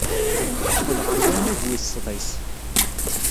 Teqqel ɣer wannag wis sḍis.